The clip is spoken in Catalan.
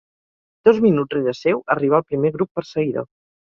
Dos minuts rere seu arribà el primer grup perseguidor.